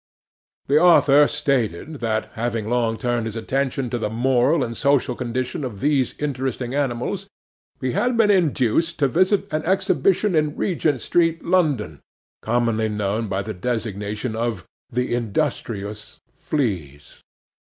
'The author stated, that, having long turned his attention to the moral and social condition of these interesting animals, he had been induced to visit an exhibition in Regent street, London, commonly known by the designation of "The Industrious Fleas."